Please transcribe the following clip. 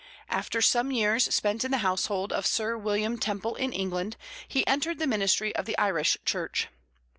After some years spent in the household of Sir William Temple in England, he entered the ministry of the Irish Church.